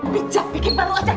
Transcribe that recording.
bija begit balu aja